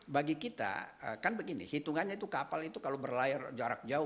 bagi kita kan begini hitungannya itu kapal itu kalau berlayar jarak jauh